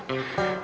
biar bisa maju